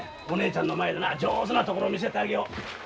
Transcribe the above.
お姉ちゃんの前でな上手なところを見せてあげよう。